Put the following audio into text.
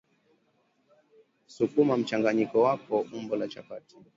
sukuma mchanganyiko wako umbo la chapati